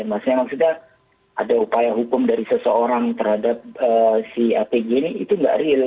maksudnya ada upaya hukum dari seseorang terhadap si apg ini itu nggak real